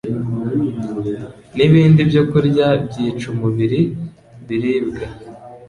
n’ibindi byokurya byica umubiri, biribwa